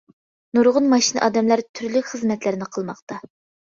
نۇرغۇن ماشىنا ئادەملەر تۈرلۈك خىزمەتلەرنى قىلماقتا.